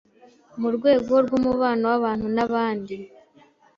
Mu rwego rw’umubano w’abantu n’abandi,